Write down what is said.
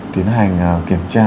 tiến hành kiểm tra